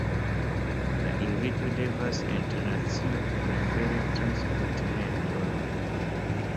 La invito devas internacio, prefere trans kontinentoj.